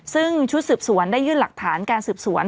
ซึ่งชุดสืบสวนได้ยื่นหลักฐานการสืบสวน